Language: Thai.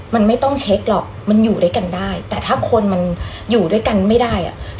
มันไม่ต้องเช็คหรอกมันอยู่ด้วยกันได้แต่ถ้าคนมันอยู่ด้วยกันไม่ได้อ่ะ